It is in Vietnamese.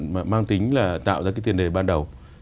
mà mang tính là tạo ra cái tiền đề ban đầu